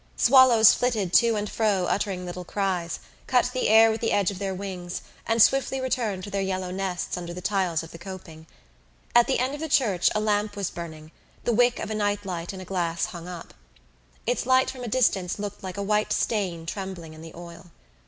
Swallows flitted to and fro uttering little cries, cut the air with the edge of their wings, and swiftly returned to their yellow nests under the tiles of the coping. At the end of the church a lamp was burning, the wick of a night light in a glass hung up. Its light from a distance looked like a white stain trembling in the oil.